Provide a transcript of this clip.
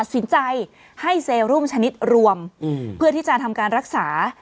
สินใจให้เซรุมชนิดรวมเพื่อที่จะทำการรักษา